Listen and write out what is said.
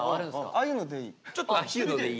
ああいうのでいい。